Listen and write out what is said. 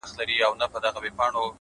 اخلاص د نیت پاکوالی څرګندوي.